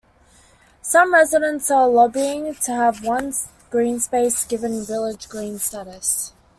Some residents are lobbying to have one green space given village green status.